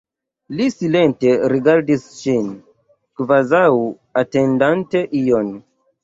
Li silente rigardis ŝin, kvazaŭ atendante ion.